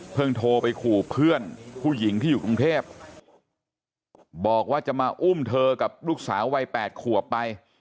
โทรไปขู่เพื่อนผู้หญิงที่อยู่กรุงเทพบอกว่าจะมาอุ้มเธอกับลูกสาววัย๘ขวบไป